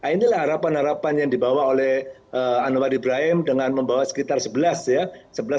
inilah harapan harapan yang dibawa oleh anwar ibrahim dengan membawa sekitar sebelas ya